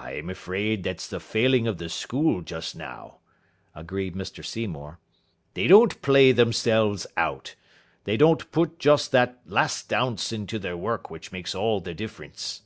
"I'm afraid that's the failing of the school just now," agreed Mr Seymour. "They don't play themselves out. They don't put just that last ounce into their work which makes all the difference."